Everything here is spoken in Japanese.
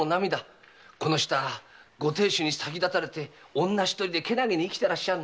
この人はご亭主に先立たれて女一人で健気に生きてらっしゃる。